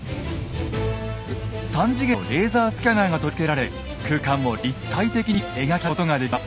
３次元のレーザースキャナーが取り付けられ空間を立体的に描き出すことができます。